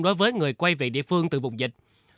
đối với người quay về địa phương từ vùng dịch